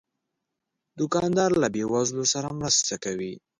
دوکاندار له بې وزلو سره مرسته کوي.